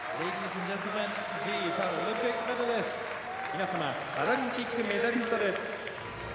皆様パラリンピックメダリストです。